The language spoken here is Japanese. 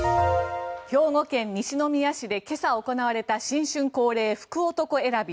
兵庫県西宮市で今朝行われた新春恒例、福男選び。